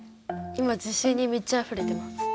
今自信にみちあふれてます。